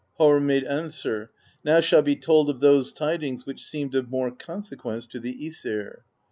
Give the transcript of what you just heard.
Harr made an swer: "Now shall be told of those tidings which seemed of more consequence to the /Esir.